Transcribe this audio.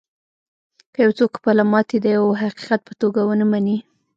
که یو څوک خپله ماتې د یوه حقیقت په توګه و نهمني